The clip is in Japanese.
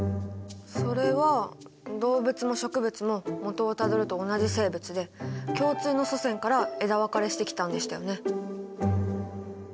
それは動物も植物ももとをたどると同じ生物で共通の祖先から枝分かれしてきたんでしたよね？